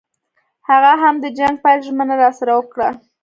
هغه هم د جنګ پیل ژمنه راسره وکړه.